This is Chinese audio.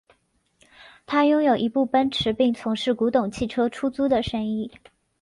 他拥有一部奔驰并从事古董汽车出租的生意。